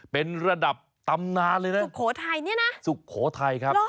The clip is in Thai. เป็นระดับตำนานเลยนะสุโขทัยเนี่ยนะสุโขทัยครับ